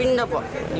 biasa di landak